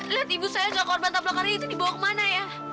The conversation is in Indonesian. liat ibu saya gak korban tabrak hari itu dibawa kemana ya